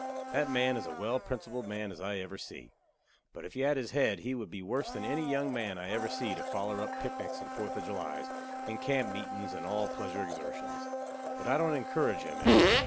That man is a well principled man as I ever see, but if he had his head he would be worse than any young man I ever see to foller up picnics and 4th of Julys and camp meetin's and all pleasure exertions. But I don't encourage him in it.